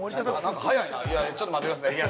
◆早いな、いや、ちょっと待ってください。